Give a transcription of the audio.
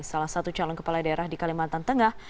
salah satu calon kepala daerah di kalimantan tengah